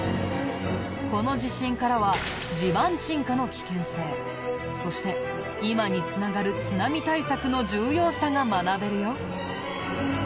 この地震からは地盤沈下の危険性そして今に繋がる津波対策の重要さが学べるよ。